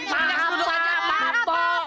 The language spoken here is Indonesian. pak pak pak pak pak